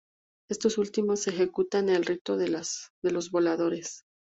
Estos últimos ejecutan el rito de los voladores.